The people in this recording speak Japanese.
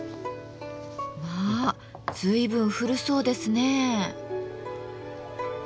まあ随分古そうですね。